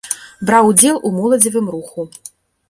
Браў удзел у моладзевым руху.